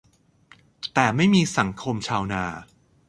แต่ "ไม่มีสังคมชาวนา"